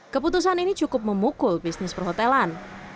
keputusan ini cukup memukul bisnis perhotelan